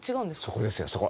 そこですよそこ。